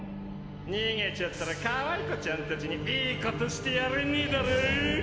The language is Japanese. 逃げちゃったらカワイコちゃんたちにいいことしてやれねぇだろぉ？